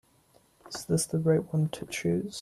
Is this the right one to choose?